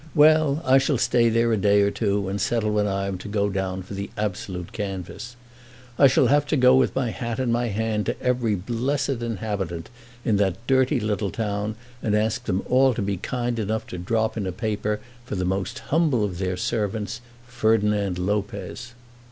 Well; I shall stay there a day or two and settle when I am to go down for the absolute canvass. I shall have to go with my hat in my hand to every blessed inhabitant in that dirty little town, and ask them all to be kind enough to drop in a paper for the most humble of their servants, Ferdinand Lopez."